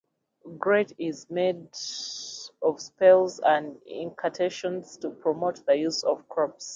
Great use is made of spells and incantations to promote the use of crops.